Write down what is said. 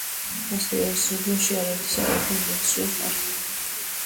ასევე არის რეგიონში, არაერთი სარეკონსტრუქციო არხი.